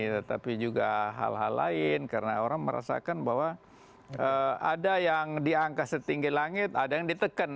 tetapi juga hal hal lain karena orang merasakan bahwa ada yang di angka setinggi langit ada yang ditekan